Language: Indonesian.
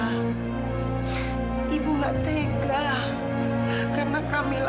kalau ibu nggak mau mengambil ginjal camilla